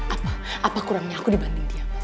apa apa kurangnya aku dibanding dia